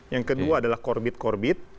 yang kedua adalah korbit korbit